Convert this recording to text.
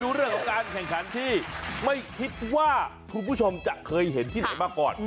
เรื่องของการแข่งขันที่ไม่คิดว่าคุณผู้ชมจะเคยเห็นที่ไหนมาก่อน